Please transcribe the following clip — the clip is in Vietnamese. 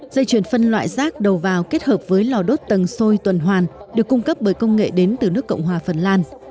dây chuyển phân loại rác đầu vào kết hợp với lò đốt tầng xôi tuần hoàn được cung cấp bởi công nghệ đến từ nước cộng hòa phần lan